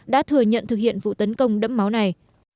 đã thừa nhận thực hiện vụ tấn công đẫm máu này